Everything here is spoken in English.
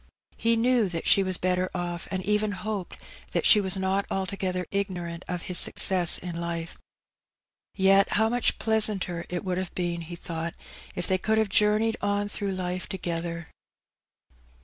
He knew that she was better off, and even hoped that she was not altogether ignorant of his success in life. Yet how much pleasanter it would have been, he thought, if they could have journeyed on through life together.